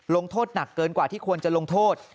โทษหนักเกินกว่าที่ควรจะลงโทษ